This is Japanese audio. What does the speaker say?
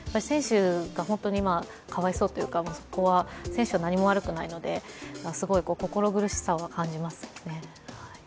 選手が本当にかわいそうというか、選手は何も悪くないのですごく心苦しさは感じますね。